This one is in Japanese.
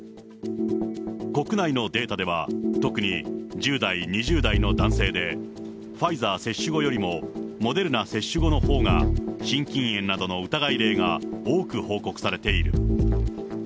国内のデータでは、特に１０代、２０代の男性で、ファイザー接種後よりも、モデルナ接種後のほうが心筋炎などの疑い例が多く報告されている。